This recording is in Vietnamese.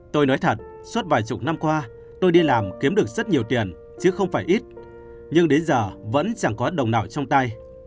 tôi nói thật suốt vài chục năm qua tôi đi làm kiếm được rất nhiều tiền chứ không phải ít nhưng đến giờ vẫn chẳng có đồng nào trong tay